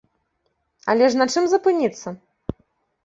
Але ж на чым запыніцца?